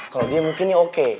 kalau dia mungkin ya oke